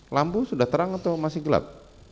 lampu sudah terang atau masih gelap